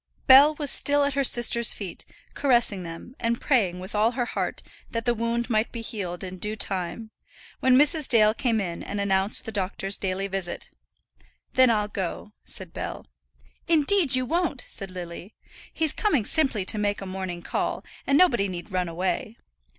Bell was still at her sister's feet, caressing them, and praying with all her heart that that wound might be healed in due time, when Mrs. Dale came in and announced the doctor's daily visit. "Then I'll go," said Bell. "Indeed you won't," said Lily. "He's coming simply to make a morning call, and nobody need run away.